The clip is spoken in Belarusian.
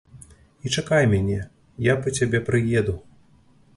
І чакай мяне, я па цябе прыеду.